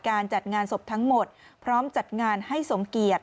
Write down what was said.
การจัดงานศพทั้งหมดพร้อมจัดงานให้สมเกียจ